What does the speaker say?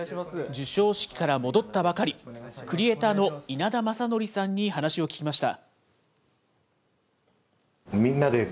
授賞式から戻ったばかり、クリエイターの稲田雅徳さんに話を聞きました。